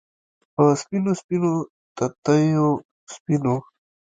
په سپینو، سپینو تتېو سپینو